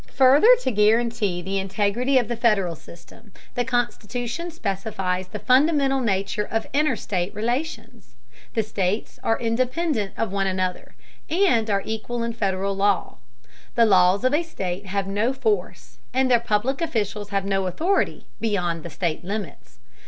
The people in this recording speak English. Further to guarantee the integrity of the Federal system, the Constitution specifies the fundamental nature of interstate relations. The states are independent of one another, and are equal in Federal law. The laws of a state have no force, and their public officials have no authority, beyond the state limits.